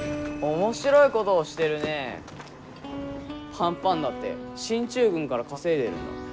パンパンだって進駐軍から稼いでるんだ。